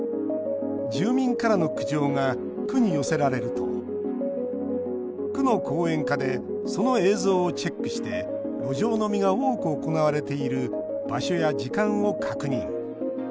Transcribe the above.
住民からの苦情が区に寄せられると区の公園課でその映像をチェックして路上飲みが多く行われている場所や時間を確認。